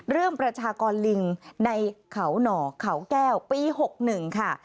ประชากรลิงในเขาหน่อเขาแก้วปี๖๑ค่ะ